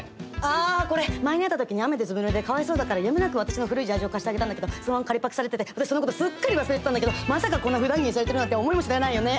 あこれ前に会った時に雨でずぶぬれでかわいそうだからやむなく私の古いジャージを貸してあげたんだけどそのまま借りパクされてて私そのことすっかり忘れてたんだけどまさかこんなふだん着にされてるなんて思いもしないよね。